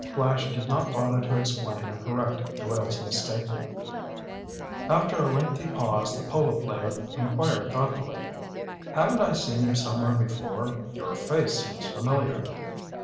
Flash did not bother to explain or correct Doyle's misstatement. After a lengthy pause the polo player inquired thoughtfully: "Haven't I seen you somewhere before? Your face seems familiar."